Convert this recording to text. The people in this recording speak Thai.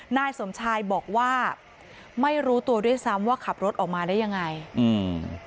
นายสมชายบอกว่าไม่รู้ตัวด้วยซ้ำว่าขับรถออกมาได้ยังไงอืม